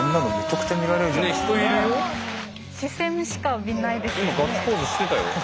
視線しか浴びないですよね。